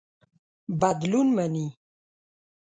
بدلون مني.